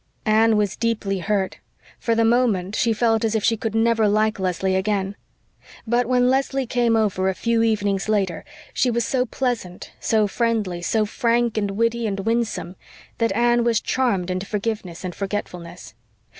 Anne was deeply hurt; for the moment she felt as if she could never like Leslie again. But when Leslie came over a few evenings later she was so pleasant, so friendly, so frank, and witty, and winsome, that Anne was charmed into forgiveness and forgetfulness.